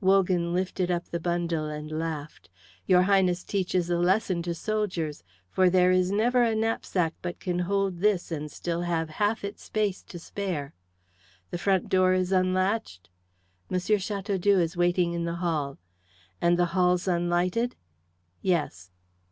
Wogan lifted up the bundle and laughed. "Your Highness teaches a lesson to soldiers; for there is never a knapsack but can hold this and still have half its space to spare. The front door is unlatched?" "M. Chateaudoux is watching in the hall." "And the hall's unlighted?" "Yes."